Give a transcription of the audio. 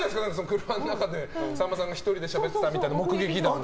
車の中で、さんまさんが１人でしゃべってたって目撃談が。